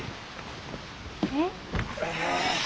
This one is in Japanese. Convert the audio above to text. えっ？